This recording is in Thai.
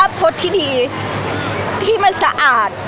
พี่ตอบได้แค่นี้จริงค่ะ